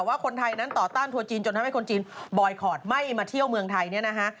ว่าคนไทยนั้นต่อต้านทัวร์จีนจนทำให้คนจีนบอยคอร์ดไม่มาเที่ยวเมืองไทยเนี่ยนะฮะ